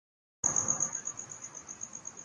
قوم کوراہنمائی چاہیے کہ مثبت تبدیلی کیسے آئے گی؟